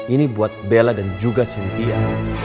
ini buat bella dan juga cynthia